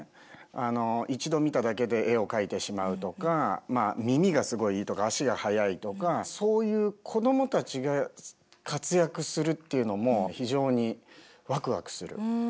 あの一度見ただけで絵を描いてしまうとかまあ耳がすごいいいとか足が速いとかそういう子供たちが活躍するっていうのも非常にワクワクする。